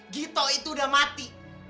gito itu udah mati